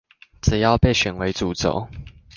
只要被選為主軸